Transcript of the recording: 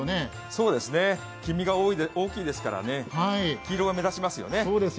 そうですね、黄身が大きいですからね、黄色が目立ちますよね。